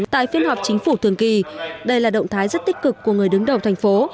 tại phiên họp chính phủ thường kỳ đây là động thái rất tích cực của người đứng đầu thành phố